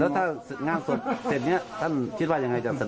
ถ้างานศพเสร็จเนี่ยท่านคิดว่ายังไงจะเสร็จ